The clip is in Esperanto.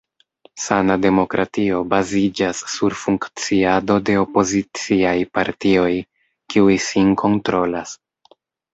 Sana demokratio baziĝas sur funkciado de opoziciaj partioj, kiuj sin kontrolas.